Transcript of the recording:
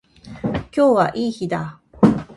今日はいい日だ。